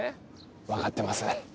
分かってます。